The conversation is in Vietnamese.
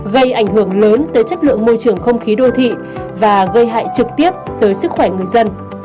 gây ảnh hưởng lớn tới chất lượng môi trường không khí đô thị và gây hại trực tiếp tới sức khỏe người dân